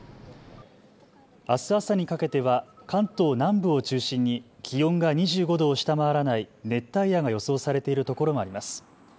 あす朝にかけては関東南部を中心に気温が２５度を下回らない熱帯夜が予想されているところもあります。